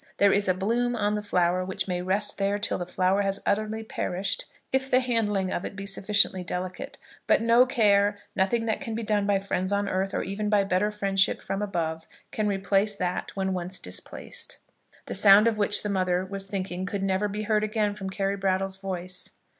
There is a bloom on the flower which may rest there till the flower has utterly perished, if the handling of it be sufficiently delicate; but no care, nothing that can be done by friends on earth, or even by better friendship from above, can replace that when once displaced. The sound of which the mother was thinking could never be heard again from Carry Brattle's voice.